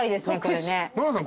ノラさん